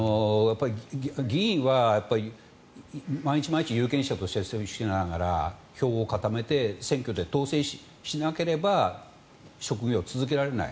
議員は毎日毎日有権者と接触しながら票を固めて選挙で当選しなければ職業を続けられない。